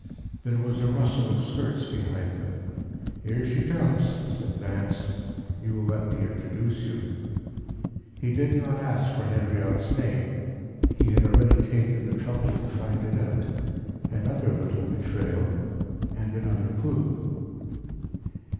There was a rustle of skirts behind them. "Here she comes," said Vance; "you will let me introduce you." He did not ask for Henriot's name; he had already taken the trouble to find it out another little betrayal, and another clue.